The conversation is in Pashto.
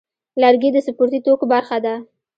لرګی د سپورتي توکو برخه ده.